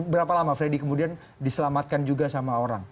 jadi seberapa lama freddy kemudian diselamatkan juga sama orang